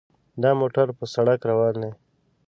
دا موټر په سړک روان دی.